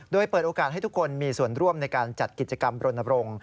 โดยเปิดโอกาสให้ทุกคนมีส่วนร่วมในการจัดกิจกรรมรณบรงค์